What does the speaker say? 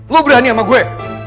lo berani sama gue